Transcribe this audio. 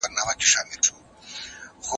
زه به اوږده موده مړۍ خوړلي وم!.